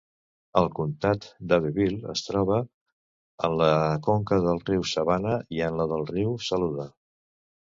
El comtat d'Abbeville es troba en la conca del riu Savannah i en la del riu Saluda.